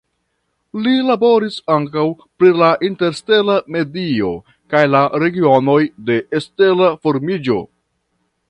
Li laboris ankaŭ pri la interstela medio kaj la regionoj de stela formiĝo.